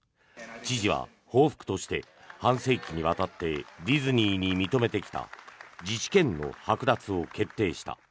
知事は報復として半世紀にわたってディズニーに認めてきた自治権のはく奪を決定した。